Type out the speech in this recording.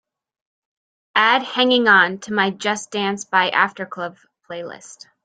Add Hanging On to my just dance by aftercluv playlist.